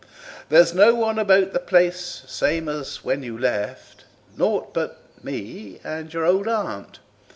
There's no one about the place same as when you left; nought but me and your old Aunt.